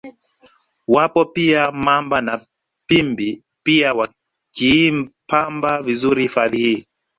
Wapo pia Mamba na Pimbi pia wakiipamba vizuri hifadhi hii